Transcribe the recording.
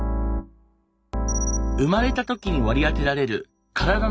生まれた時に割り当てられる体の性